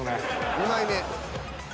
２枚目。